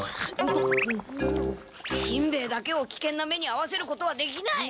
しんべヱだけをきけんな目にあわせることはできない。